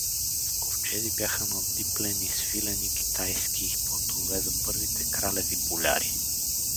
В ковчези бяха надиплени свилени китайски платове за първите кралеви боляри.